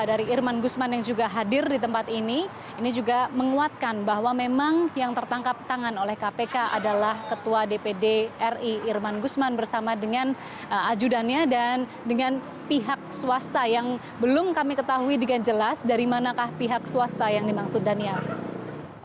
jadi irman guzman yang juga hadir di tempat ini ini juga menguatkan bahwa memang yang tertangkap tangan oleh kpk adalah ketua dpd ri irman guzman bersama dengan ajudannya dan dengan pihak swasta yang belum kami ketahui dengan jelas dari manakah pihak swasta yang dimaksud daniel